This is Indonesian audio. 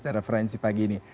dan referensi pagi ini